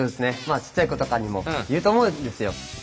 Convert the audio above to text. まあちっちゃい子とかにも言うと思うんですよ。